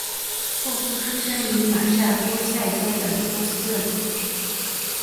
霍夫出生于马萨诸塞州的波士顿。